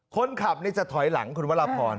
คนขับจะถอยหลังคุณวรพร